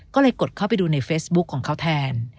ก็เลยกดเข้าไปดูในเฟซบุ๊คของเขาแทน